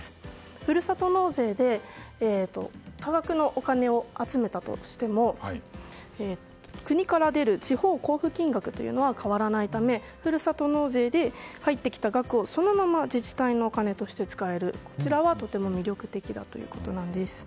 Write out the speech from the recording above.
ふるさと納税で多額のお金を集めたとしても国から出る地方交付金額は変わらないためふるさと納税で入ってきた額をそのまま自治体のお金として使える、こちらはとても魅力的だということです。